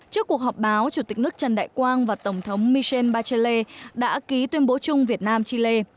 trước cuộc họp báo chủ tịch nước trần đại quang và tổng thống michel bachelle đã ký tuyên bố chung việt nam chile